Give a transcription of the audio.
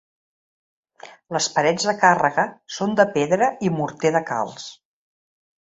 Les parets de càrrega són de pedra i morter de calç.